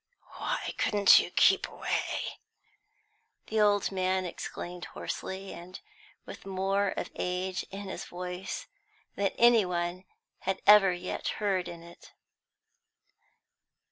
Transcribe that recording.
"Why couldn't you keep away?" the old man exclaimed hoarsely, and with more of age in his voice than any one had ever yet heard in it.